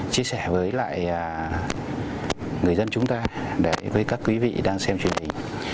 chia sẻ với lại người dân chúng ta với các quý vị đang xem truyền hình